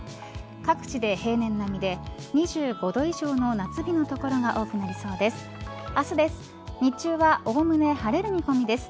各地で平年並みで２５度以上の夏日の所が多くなりそうです。